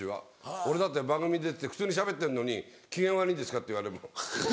俺だって番組出てて普通にしゃべってんのに「機嫌悪いんですか？」って言われるもん。